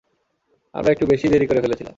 আমরা একটু বেশীই দেরি করে ফেলেছিলাম!